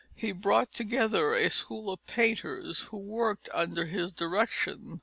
He brought together a school of painters, who worked under his directions.